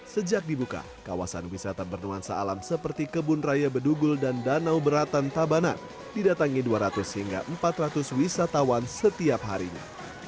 sejak dibuka kawasan wisata bernuansa alam seperti kebun raya bedugul dan danau beratan tabanan didatangi dua ratus hingga empat ratus wisatawan setiap harinya